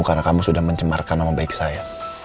karena kamu sudah mencemarkan nama baik saya